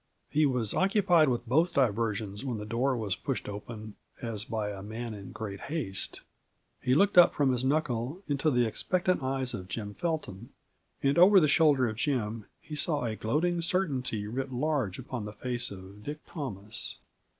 He was occupied with both diversions when the door was pushed open as by a man in great haste. He looked up from the knuckle into the expectant eyes of Jim Felton, and over the shoulder of Jim he saw a gloating certainty writ large upon the face of Dick Thomas.